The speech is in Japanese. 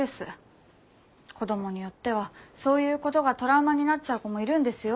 子どもによってはそういうことがトラウマになっちゃう子もいるんですよ。